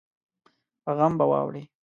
په غم به واوړې